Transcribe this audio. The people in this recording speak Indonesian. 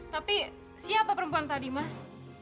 tapi siapa perempuan tadi mas